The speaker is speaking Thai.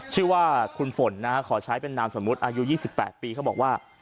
ชื่อว่าคุณฝนนะขอใช้เป็นนามสมมุติอายุ๒๘ปีเขาบอกว่า